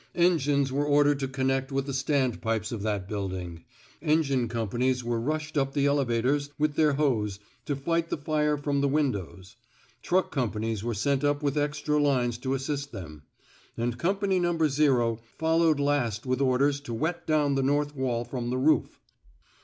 Engines were ordered to connect with the standpipes of that building; engine com panies were rushed up the elevators with their hose, to fight the fire from the windows ; truck companies were sent up with extra lines to assist them; and Company No. followed last with orders to wet down the north wall from the roof.